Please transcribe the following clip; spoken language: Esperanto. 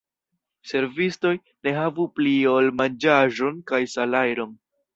Servistoj ne havu pli ol manĝaĵon kaj salajron.